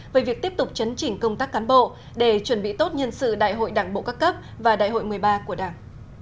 về việc tiếp tục chấn chỉnh công tác cán bộ để chuẩn bị tốt nhân sự đại hội đảng bộ các cấp và đại hội một mươi ba của đảng